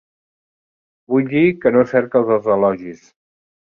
Vull dir que no cerques els elogis.